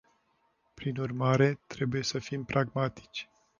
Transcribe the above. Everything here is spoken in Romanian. Prin urmare, trebuie să fim pragmatici.